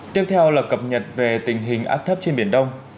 tiếp theo là cập nhật về tình hình áp thấp trên biển đông